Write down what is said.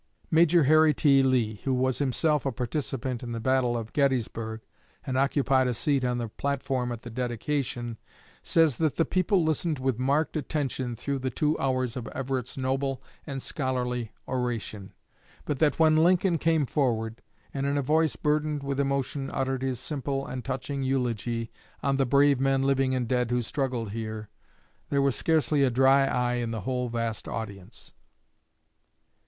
Major Harry T. Lee, who was himself a participant in the battle of Gettysburg and occupied a seat on the platform at the dedication, says that the people listened with marked attention through the two hours of Everett's noble and scholarly oration; but that when Lincoln came forward, and in a voice burdened with emotion uttered his simple and touching eulogy on "the brave men, living and dead, who struggled here," there was scarcely a dry eye in the whole vast audience.